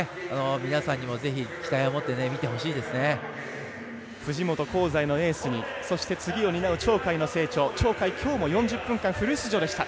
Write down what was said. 皆さんにもぜひ期待をもって藤本、香西のエースにそして次を担う鳥海の成長鳥海もきょうは４０分間フル出場でした。